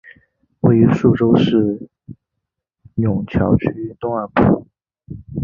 位于宿州市埇桥区东二铺。